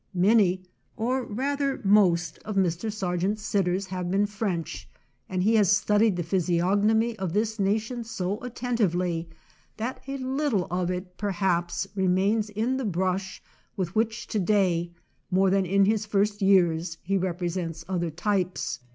Many, or rather most, of Mr. Sar gent's sitters have been French, and he has studied the physiognomy of this na tion so attentively that a little of it per haps remains in the brush with which to day, more than in his first years, he represents other types.